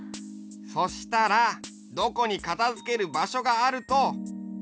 そしたらどこにかたづけるばしょがあるといいんだろう？